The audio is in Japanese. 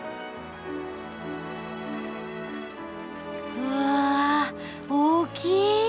うあ大きい！